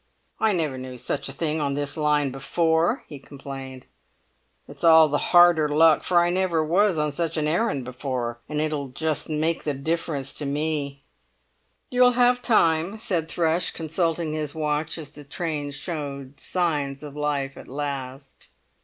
"I never knew such a thing on this line before," he complained; "it's all the harder luck, for I never was on such an errand before, and it'll just make the difference to me." "You'll have time," said Thrush, consulting his watch as the train showed signs of life at last.